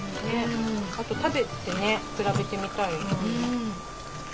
食べてね比べてみたいよ。